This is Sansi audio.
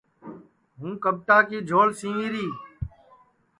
ہوں کٻٹا کی جُھول سیوری